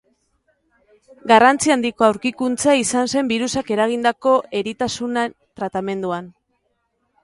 Garrantzi handiko aurkikuntza izan zen birusak eragindako eritasunen tratamenduan.